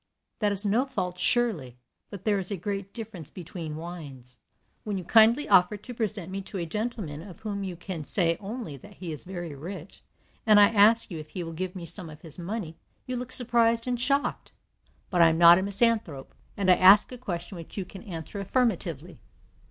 That is no fault, surely, but there is a great difference between wines. "When you kindly offer to present me to a gentleman of whom you can say only that he is very rich, and I ask you if he will give me some of his money, you look surprised and shocked. But I am not a misanthrope, and I ask a question which you can answer affirmatively.